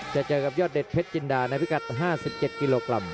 จะเจอกับยอดเด็ดเพชรจินดาในพิกัด๕๗กิโลกรัม